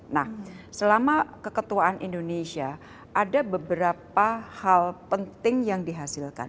nah selama keketuaan indonesia ada beberapa hal penting yang dihasilkan